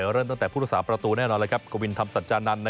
เริ่มตั้งแต่คุณสาประตูกวินทัพสัจจานนั้น